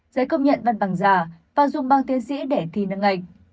giấy công nhận văn bằng giả và dùng bằng tiến sĩ để thi nâng ngạch